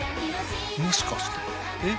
もしかしてえっ？